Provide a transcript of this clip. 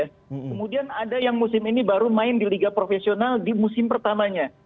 kemudian ada yang musim ini baru main di liga profesional di musim pertamanya